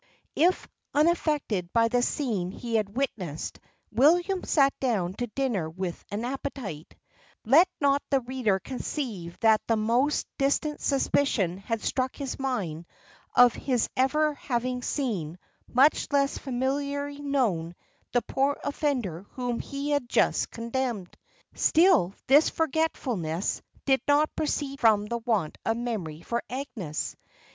If, unaffected by the scene he had witnessed, William sat down to dinner with an appetite, let not the reader conceive that the most distant suspicion had struck his mind of his ever having seen, much less familiarly known, the poor offender whom he had just condemned. Still this forgetfulness did not proceed from the want of memory for Agnes.